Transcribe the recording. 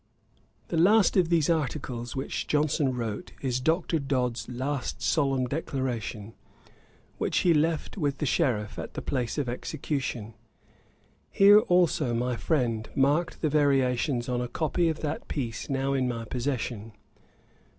The last of these articles which Johnson wrote is Dr. Dodd's last solemn Declaration, which he left with the sheriff at the place of execution. Here also my friend marked the variations on a copy of that piece now in my possession.